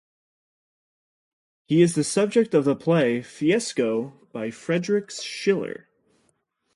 He is the subject of the play "Fiesco" by Friedrich Schiller.